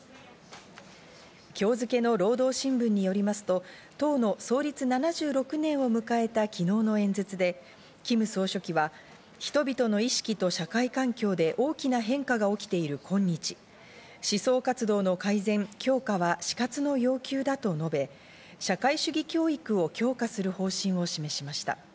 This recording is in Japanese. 今日付の労働新聞によりますと、党の創立７６年を迎えた昨日の演説でキム総書記は人々の意識と社会環境で大きな変化が起きている今日、思想活動後の改善、強化は死活の要求だと述べ、社会主義教育を強化する方針を示しました。